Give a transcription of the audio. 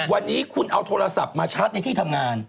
วันนี้คุณเอาโทรศัพท์มาชาร์จในที่ทำงาน